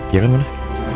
iya kan manah